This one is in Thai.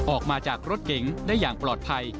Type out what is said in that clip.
ออกมาจากรถเก๋งได้อย่างปลอดภัย